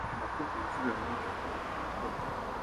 Nakubwiye inshuro nyinshi ko utabikora.